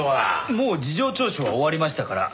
もう事情聴取は終わりましたから。